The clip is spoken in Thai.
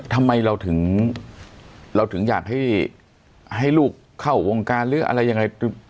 ทำไมเราถึงเราถึงอยากให้ลูกเข้าวงการหรืออะไรยังไง